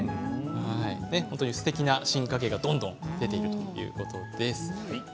本当にすてきな進化系がどんどん出ているということです。